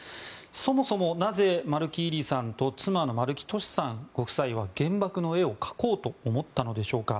そもそもなぜ、丸木位里さんと妻の丸木俊さんご夫妻は原爆の絵を描こうと思ったのでしょうか。